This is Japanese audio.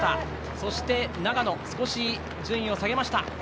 そして長野は少し順位を下げました。